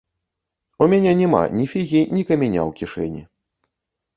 У мяне няма ні фігі ні каменя ў кішэні!